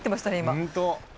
本当！